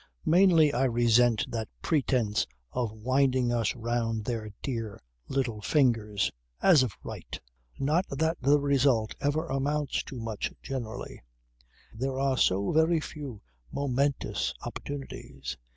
Mainly I resent that pretence of winding us round their dear little fingers, as of right. Not that the result ever amounts to much generally. There are so very few momentous opportunities.